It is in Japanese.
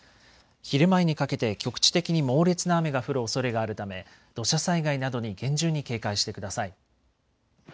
昼前にかけて局地的に猛烈な雨が降るおそれがあるため土砂災害などに厳重に警戒してください。